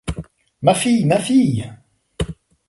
Ma fille ! ma fille !